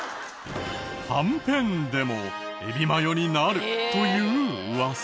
はんぺんでもエビマヨになるというウワサ。